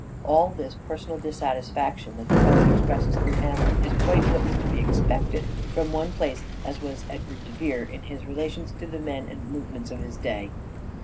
All this personal dissatisfaction that DRAMATIC SELF REVELATION 481 the poet expresses through Hamlet is quite what was to be expected from one placed as was Edward de Vere in his relations to the men and movements of his day.